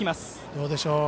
どうでしょう。